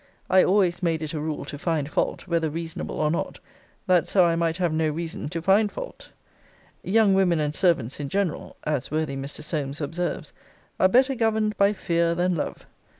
I always made it a rule to find fault, whether reasonable or not, that so I might have no reason to find fault. Young women and servants in general (as worthy Mr. Solmes observes) are better governed by fear than love.